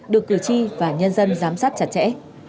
được cử tri và nhân dân giám sát chặt chẽ